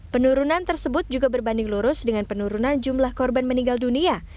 penurunan tersebut juga berbanding lurus dengan penurunan jumlah korban meninggal dunia